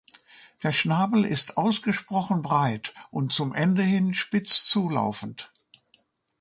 Der Schnabel ist ausgesprochen breit und zum Ende hin spitz zulaufend.